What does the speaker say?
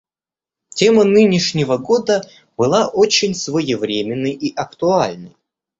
Тема нынешнего года была очень своевременной и актуальной.